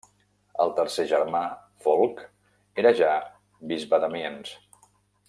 El tercer germà, Folc, era ja bisbe d'Amiens.